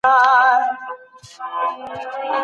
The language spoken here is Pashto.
زبېښاک څه ته وايي؟